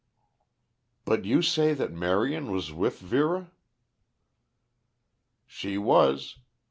"But you say that Marion was with Vera?" "She was.